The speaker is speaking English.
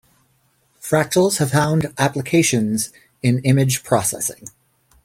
Fractals have found applications in image processing.